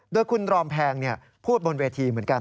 โดยคุณรอมแพงพูดบนเวทีเหมือนกัน